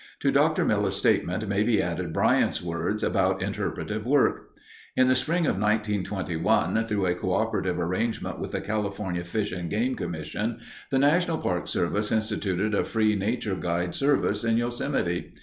To Dr. Miller's statement may be added Bryant's words about interpretive work: In the spring of 1921, through a coöperative arrangement with the California Fish and Game Commission, the National Park Service instituted a free nature guide service in Yosemite.